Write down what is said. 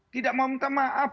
tidak mau minta maaf